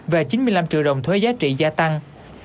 và chín mươi năm triệu đồng thuế giá trị gia tăng